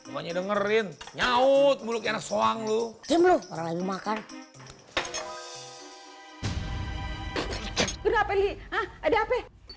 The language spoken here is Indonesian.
banyak dengerin nyaut mulutnya soang lu tim lu orang makan kenapa ini ada hp